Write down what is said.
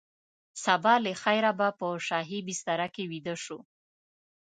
سبا له خیره به په شاهي بستره کې ویده شو.